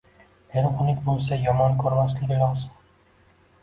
Eri xunuk bo‘lsa, yomon ko‘rmasligi lozim.